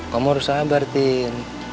kamu harus sabar din